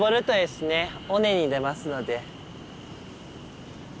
尾根に出ますので。